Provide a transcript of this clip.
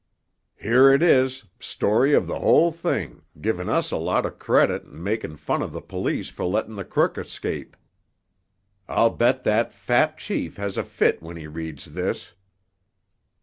Here it is—story of the whole thing, givin' us a lot of credit and makin' fun of the police for lettin' the crook escape. I'll bet that fat chief has a fit when he reads this!"